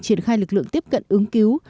triển khai lực lượng tiếp cận ứng cứu